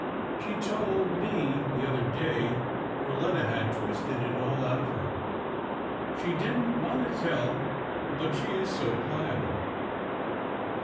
She told me the other day Perletta had twisted it all out of her. She didn't want to tell, but she is so pliable."